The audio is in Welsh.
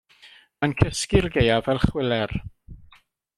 Mae'n cysgu'r gaeaf fel chwiler.